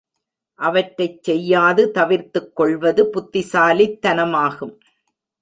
அவற்றைச் செய்யாது தவிர்த்துக் கொள்வது புத்திசாலித்தனமாகும்.